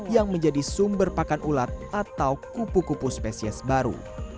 yang menjadi sumber pakan ulat atau kupu kupu spesies baru